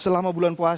selama bulan puasa